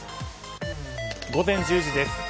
午前１０時です。